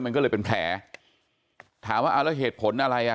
มันก็เลยเป็นแผลถามว่าเอาแล้วเหตุผลอะไรอ่ะ